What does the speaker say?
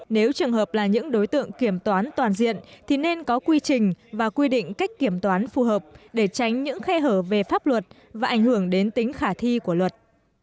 nếu trường hợp là những đối tượng kiểm toán toàn diện thì nên có quy trình và quy định cách kiểm toán phù hợp để tránh những khe hở về pháp luật và ảnh hưởng đến tính khả thi của luật